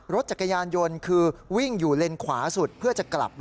รถจักรยานยนต์คือวิ่งอยู่เลนขวาสุดเพื่อจะกลับ